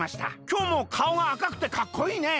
『きょうもかおがあかくてかっこいいね』